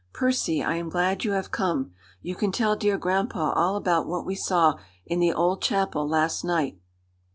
"Percy, I am glad you have come. You can tell dear grandpa all about what we saw in the old chapel last night."